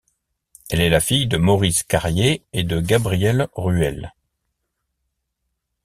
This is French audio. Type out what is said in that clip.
Elle est la fille de Maurice Carrier et de Gabrielle Ruel.